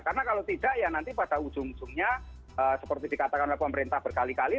karena kalau tidak ya nanti pada ujung ujungnya seperti dikatakan pemerintah berkali kali